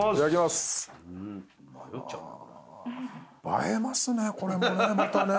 映えますねこれもまたね。